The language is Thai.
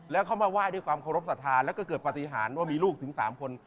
แล้วเขามาไหว้ด้วยความเคารพสัทธาแล้วก็เกิดปฏิหารว่ามีลูกถึง๓คน